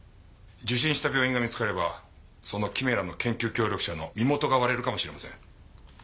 受診した病院が見つかればそのキメラの研究協力者の身元が割れるかもしれません。